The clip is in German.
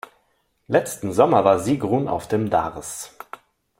Letzten Sommer war Sigrun auf dem Darß.